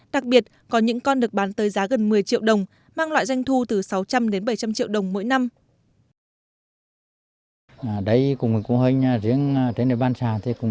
đặc biệt có những con được bán tới giá gần một mươi triệu đồng mang lại doanh thu từ sáu trăm linh đến bảy trăm linh triệu đồng mỗi năm